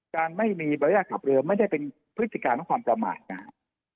การไม่มีใบอนุญาตขับเรือไม่ได้เป็นพฤติการของความประมาทนะครับ